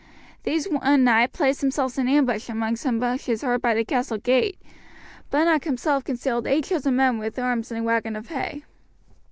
These one night placed themselves in ambush among some bushes hard by the castle gate. Bunnock himself concealed eight chosen men with arms in a wagon of hay.